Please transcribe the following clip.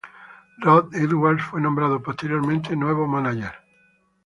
Rob Edwards fue nombrado posteriormente como nuevo mánager.